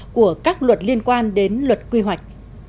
của các luật liên quan đến luật quy hoạch